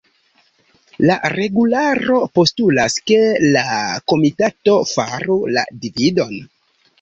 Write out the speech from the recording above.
la regularo postulas, ke la komitato faru la dividon.